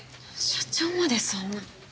社長までそんな。